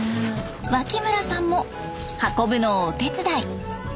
脇村さんも運ぶのをお手伝い。